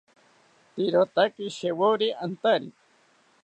Iriotaki shewori antari